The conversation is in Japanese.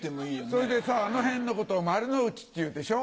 それでさあの辺のことを丸の内っていうでしょ？